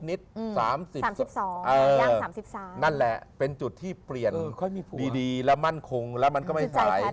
นิด๓๐๓๒ย่าง๓๓นั่นแหละเป็นจุดที่เปลี่ยนดีและมั่นคงแล้วมันก็ไม่สาย